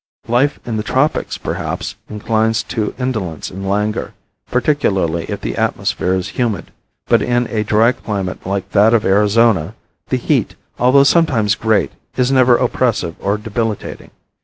Life in the tropics, perhaps, inclines to indolence and languor, particularly if the atmosphere is humid, but in a dry climate like that of Arizona the heat, although sometimes great, is never oppressive or debilitating.